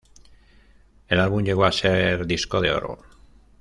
El álbum llegó a ser disco de oro.